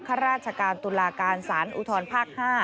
ข้าราชการตุลาการสารอุทธรภาค๕